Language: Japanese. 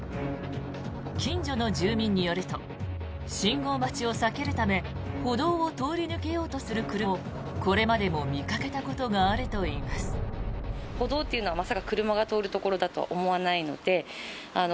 近所の住民によると信号待ちを避けるため歩道を通り抜けようとする車をこれまでも見かけたことがあるといいます。